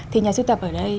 thì nhà siêu tập ở đây